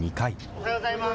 おはようございます。